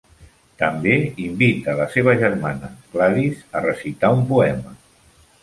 També invita la seva germana, Gladys, a recitar un poema.